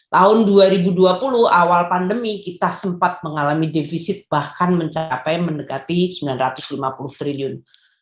tahun dua ribu dua puluh awal pandemi kita sempat mengalami defisit bahkan mencapai mendekati rp sembilan ratus lima puluh triliun